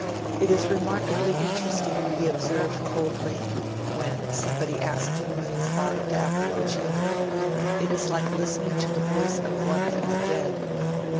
'It is remarkably interesting,' he observed coldly, when somebody asked him what he thought of the Apologia: 'it is like listening to the voice of one from the dead.'